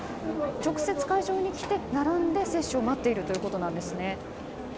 直接会場に来て並んで接種を待っているということです。